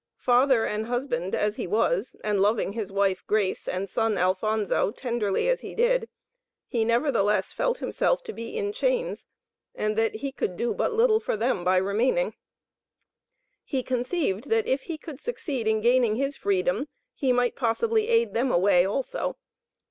Father and husband, as he was, and loving his wife, Grace, and son, Alphonso, tenderly as he did, he nevertheless felt himself to be in chains, and that he could do but little for them by remaining. He conceived that, if he could succeed in gaining his freedom, he might possibly aid them away also.